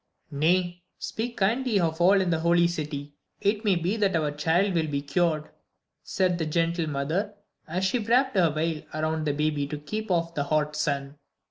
"Nay, speak kindly of all in the 'Holy City.' It may be that our child will be cured," said the gentle mother, as she wrapped her veil around the baby to keep off the hot sun.